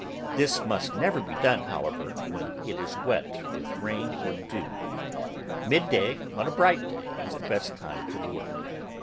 This must never be done, how ever, when it is wet with rain or dew. ]Mid day, on a bright day, is the best time for the work.